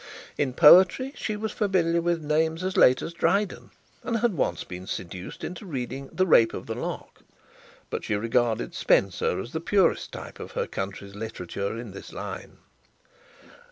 In poetry, she was familiar with then names as late as Dryden, and had once been seduced into reading the "Rape of the Lock"; but she regarded Spenser as the purest type of her country's literature in this line.